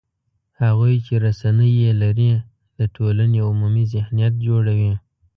هغوی چې رسنۍ یې لري، د ټولنې عمومي ذهنیت جوړوي